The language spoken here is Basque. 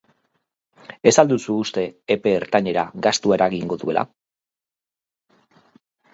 Ez al duzu uste epe ertainera gastua eragingo duela?